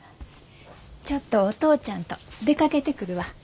ちょっとお父ちゃんと出かけてくるわ。